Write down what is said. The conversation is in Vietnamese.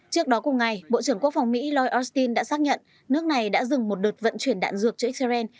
trước đó cùng ngày bộ trưởng quốc phòng mỹ lloyd austin đã xác nhận nước này đã dừng một đợt vận chuyển đạn dược cho israel